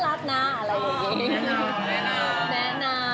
แต่ก็ได้แค่แน่นั้นนะคะ